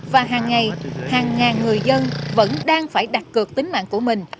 và hàng ngày hàng ngàn người dân vẫn đang phải đặt cược tính mạng của mình